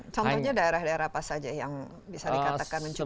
contohnya daerah daerah apa saja yang bisa dikatakan mencoba